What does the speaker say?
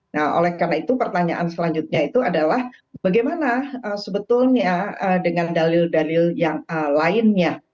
nah oleh karena itu pertanyaan selanjutnya itu adalah bagaimana sebetulnya dengan dalil dalil yang lainnya